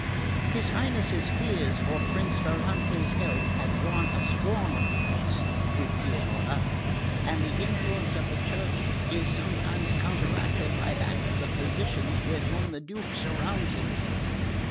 "His Highness's fears for Prince Ferrante's health have drawn a swarm of quacks to Pianura, and the influence of the Church is sometimes counteracted by that of the physicians with whom the Duke surrounds himself.